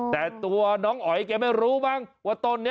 แต่ตัวน้องอ๋อยแกไม่รู้มั้งว่าต้นนี้